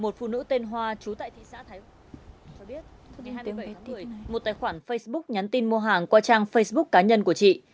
một phụ nữ tên hoa trú tại thị xã thái quốc cho biết hai mươi bảy tuổi một tài khoản facebook nhắn tin mua hàng qua trang facebook cá nhân của chị